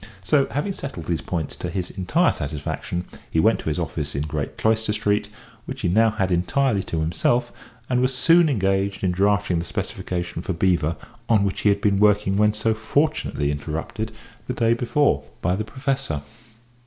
So, having settled these points to his entire satisfaction, he went to his office in Great Cloister Street, which he now had entirely to himself, and was soon engaged in drafting the specification for Beevor on which he had been working when so fortunately interrupted the day before by the Professor.